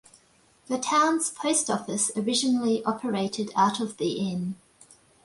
The towns post office originally operated out of the inn.